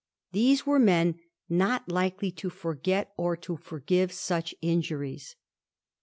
These were men not likely to forget or to forgive such injuries.